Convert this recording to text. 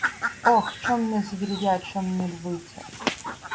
Ох! Чом не звір я, чом не львиця?